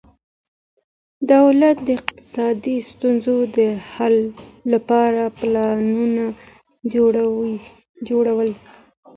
دولت د اقتصادي ستونزو د حل لپاره پلانونه جوړول.